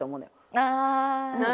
ああ。